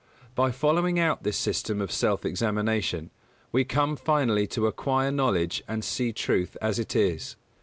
By following out this system of self examination, we come finally to acquire knowledge and see truth as it is.